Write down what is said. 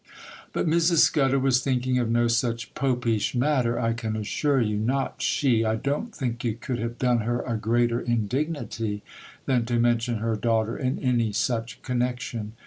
But Mrs. Scudder was thinking of no such Popish matter, I can assure you,—not she! I don't think you could have done her a greater indignity than to mention her daughter in any such connection.